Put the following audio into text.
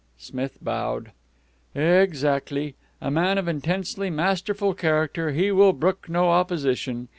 Smith bowed. "Exactly. A man of intensely masterful character, he will brook no opposition.